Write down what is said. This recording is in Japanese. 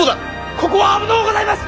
ここは危のうございます！